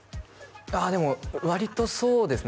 ああでも割とそうですね